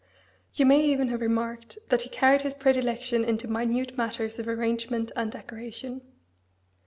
You may even have remarked that he carried his predilection into minute matters of arrangement and decoration.